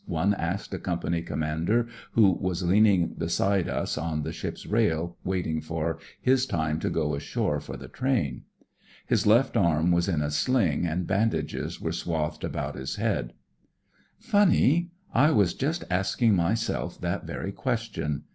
*' one asked a Company Com mander who was leaning beside us on the ship's rail waiting for his time to go ashore for the train. His left arm was in a SPIRIT OF BRITISH SOLDIER 28 sling and bandages were swathed about his head. " Funny 1 I was just asking myself that very question.